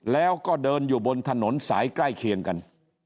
แล้วก็เดินอยู่บนถนนสายใกล้เคียงกัน